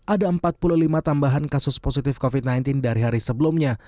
ada empat puluh lima tambahan kasus positif covid sembilan belas dari hari sebelumnya